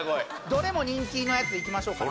どれも人気なやついきましょうかね。